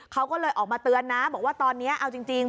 เขาก็เลยออกมาเตือนนะบอกว่าตอนนี้เอาจริง